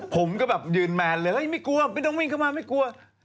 ผมก็แบบยืนแมนเลยไม่กลัวไม่ต้องวิ่งเข้ามาไม่กลัว